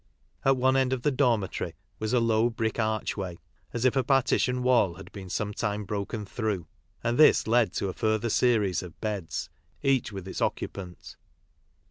At one end of the dormitory was a low brick archway, a s if a partition wall had been sometime broken through, and ths led to a further series of beds, each with its occupant.